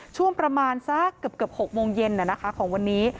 ช่วงประมาณสัก๖มงเย็นของวันนี้